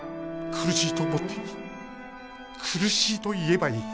苦しいと思っていい苦しいと言えばいい。